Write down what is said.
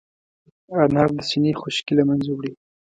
انار د سينې خشکي له منځه وړي.